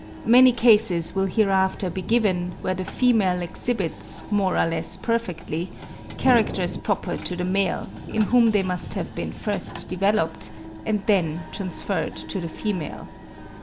Many cases will hereafter be given, where the female exhibits, more or less perfectly, characters proper to the male, in whom they must have been first developed, and then transferred to the female.